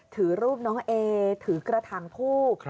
ถือรูปน้องเอถือกระถางทูบ